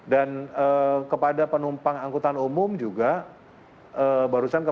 dan kepada penumpang angkutan umum juga